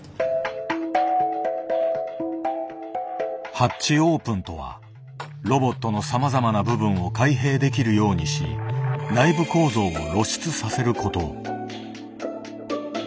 「ハッチオープン」とはロボットのさまざまな部分を開閉できるようにし内部構造を露出させること。